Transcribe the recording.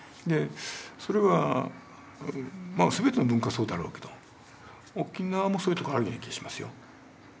それは全ての文化がそうだろうけど沖縄もそういうとこあるような気がしますよ。